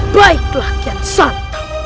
baiklah kian santang